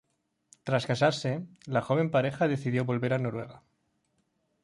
Tras casarse, la joven pareja decidió volver a Noruega.